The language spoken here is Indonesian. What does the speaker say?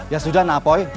ya sudah nah boy